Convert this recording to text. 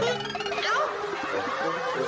แล้ว